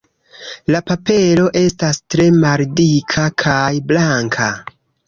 La papero estas tre maldika kaj blanka.